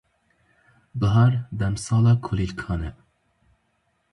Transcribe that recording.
Bihar demsala kulîlkan e.